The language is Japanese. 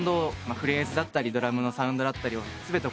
フレーズだったりドラムのサウンドだったり全てこだわりました。